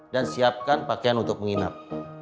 dan siapkan pakaian untuk menginap